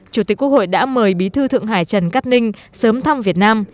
chủ tịch quốc hội đã mời bí thư thượng hải trần cát ninh sớm thăm việt nam